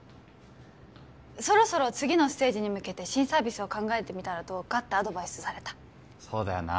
そろそろ次のステージに向けて新サービスを考えてみたらどうかってアドバイスされたそうだよな